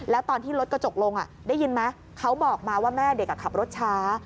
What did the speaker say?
แล้วตอนที่รถกระจกลงได้ยินไหมเขาบอกมาว่าแม่เด็กขับรถช้า